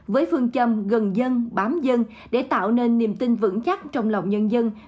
với phương châm gần dân bám dân để tạo nên niềm tin vững chắc trong lòng nhân dân